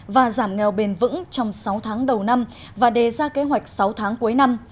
và giảm nghèo bền vững trong sáu tháng đầu năm và đề ra kế hoạch sáu tháng cuối năm